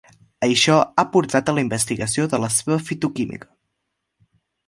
Això ha portat a la investigació de la seva fitoquímica.